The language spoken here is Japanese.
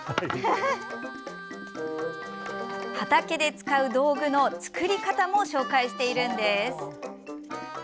畑で使う道具の作り方も紹介しているんです。